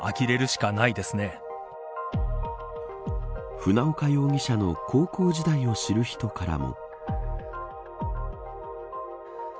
船岡容疑者の高校時代を知る人からも。